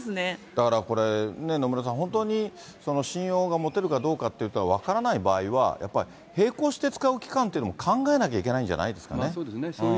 だからこれ、野村さん、本当に信用が持てるかどうかっていったら分からない場合は、やっぱり並行して使う期間というのも考えなきゃいけないんじゃなそうですね。